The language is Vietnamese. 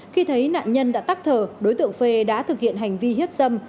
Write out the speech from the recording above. khi thấy nạn nhân đã tắc thờ đối tượng phê đã thực hiện hành vi hiếp dâm